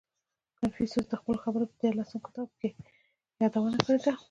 • کنفوسیوس د خپلو خبرو په دیارلسم کتاب کې یې یادونه کړې ده.